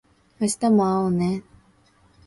明日も会おうね